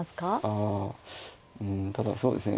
あうんただそうですね